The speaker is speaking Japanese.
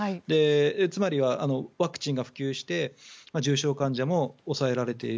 つまりは、ワクチンが普及して重症患者も抑えられている。